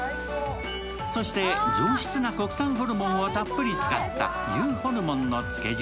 そして、上質な国産ホルモンをたっぷり使った牛ホルモンのつけ汁。